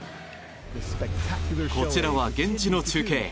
こちらは現地の中継。